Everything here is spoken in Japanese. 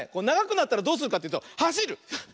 ながくなったらどうするかっていうとはしる！